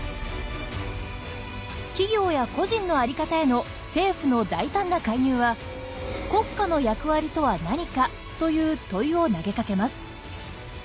企業や個人の在り方への政府の大胆な介入は「国家の役割とは何か」という問いを投げかけます。